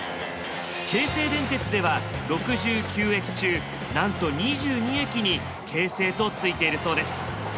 京成電鉄では６９駅中なんと２２駅に「京成」とついているそうです。